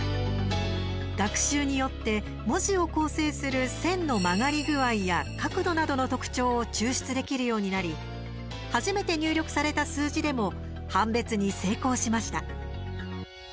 学習によって、文字を構成する線の曲がり具合や、角度などの特徴を抽出できるようになり初めて入力された数字でも判別に成功しました。